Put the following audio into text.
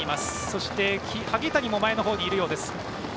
そして、萩谷も前のほうにいるようです。